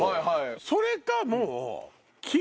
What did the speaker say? それかもう。